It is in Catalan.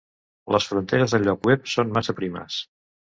Les fronteres del lloc web són massa primes.